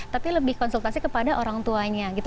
tapi lebih konsultasi kepada orang tuanya gitu